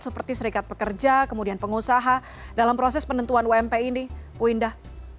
seperti serikat pekerja kemudian pengusaha dalam proses penentuan ump ini bu indah